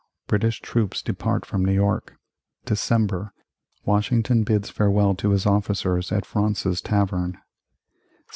British troops depart from New York December. Washington bids farewell to his officers at Fraunces's Tavern 1788.